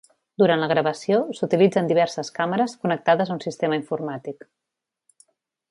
Durant la gravació, s'utilitzen diverses càmeres connectades a un sistema informàtic.